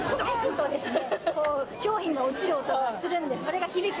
とですね